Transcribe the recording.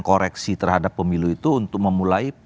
koreksi terhadap pemilu itu untuk memulai